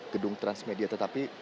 gedung transmedia tetapi